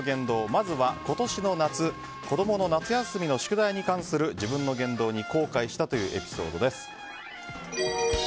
まず今年の夏子供の夏休みの宿題に関する自分の言動に後悔したというエピソードです。